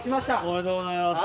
おめでとうございます。